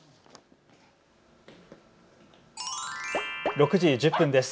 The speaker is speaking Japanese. ６時１０分です。